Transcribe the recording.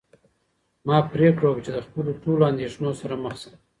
ما پرېکړه وکړه چې له خپلو ټولو اندېښنو سره مخ شم.